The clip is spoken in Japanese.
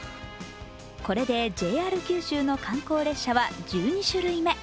これでＪＲ九州の観光列車は１２種類目。